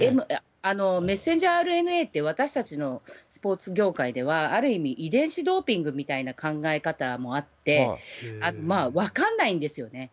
ｍＲＮＡって、私たちのスポーツ業界ではある意味、遺伝子ドーピングみたいな考え方もあって、分かんないですよね。